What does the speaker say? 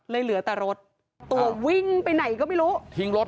เลยเหลือแต่รถตัววิ่งไปไหนก็ไม่รู้